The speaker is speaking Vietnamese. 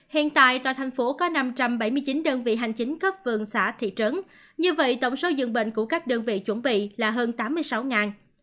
hiện tại toàn thành phố có năm trăm bảy mươi chín đơn vị hành chính cấp phường xã thị trấn như vậy tổng số dường bệnh của các đơn vị chuẩn bị là hơn tám mươi sáu